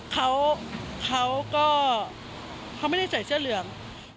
เขาไม่ได้ใส่เชี่ยเหลือง